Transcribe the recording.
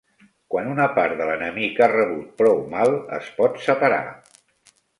Quan una part de l'enemic ha rebut prou mal, es pot separar.